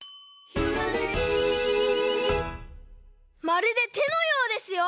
まるでてのようですよ！